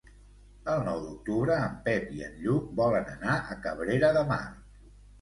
El nou d'octubre en Pep i en Lluc volen anar a Cabrera de Mar.